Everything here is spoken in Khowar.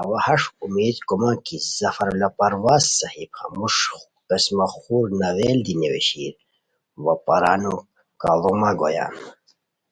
اوا ہݰ اُمید کومان کی ظفراللہ پروازؔ صاحب ہموݰ قسمہ خور ناول دی نیویشیر وا پرانو کاڑومہ گویان